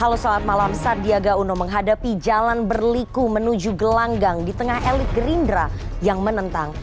halo selamat malam sardiaga uno menghadapi jalan berliku menuju gelanggang di tengah elit gerindra yang menentang